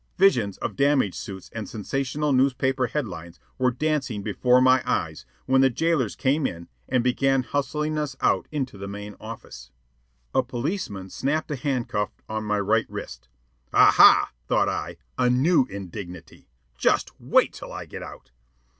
Visions of damage suits and sensational newspaper headlines were dancing before my eyes when the jailers came in and began hustling us out into the main office. A policeman snapped a handcuff on my right wrist. (Ah, ha, thought I, a new indignity. Just wait till I get out.)